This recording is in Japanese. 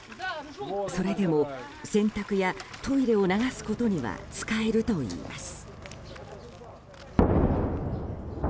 それでも洗濯やトイレを流すことには使えるといいます。